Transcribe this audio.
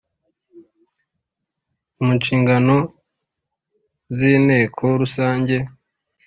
mu nshingano z Inteko Rusange